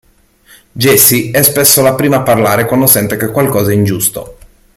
Jessie è spesso la prima a parlare quando sente che qualcosa è ingiusto.